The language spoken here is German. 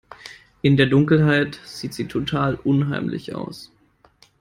In der Dunkelheit sieht sie total unheimlich aus.